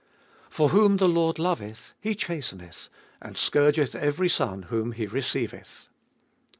For whom the Lord loveth He chasteneth, And scourgeth every son whom He receiveth.